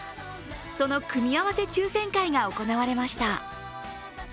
その組み合わせ抽選会が行われました。